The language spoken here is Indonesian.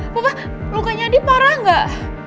bapak lukanya adi parah gak